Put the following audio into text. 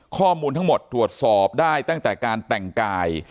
ข้อมูลทั้งหมดตรวจสอบได้ตั้งแต่การแต่งกาย